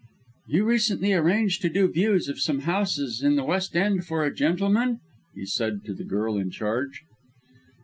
"You recently arranged to do views of some houses in the West End for a gentleman?" he said to the girl in charge.